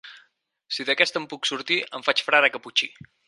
Si d'aquesta en puc sortir, em faig frare caputxí.